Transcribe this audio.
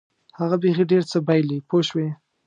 هغه بیخي ډېر څه بایلي پوه شوې!.